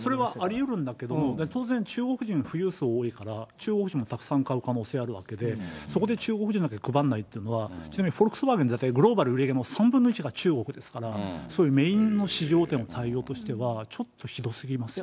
それは来場者、当然、中国人、富裕層多いから、中国人がたくさん買う可能性あるわけで、そこで中国人だけ配らないっていうのは、ちなみにフォルクス・ワーゲン、グローバルの売り上げの３分の１が中国ですから、そういうメインの市場の対応としては、ひどすぎますよね。